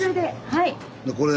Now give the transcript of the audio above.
はい。